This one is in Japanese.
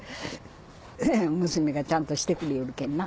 娘がちゃんとしてくれよるけんな。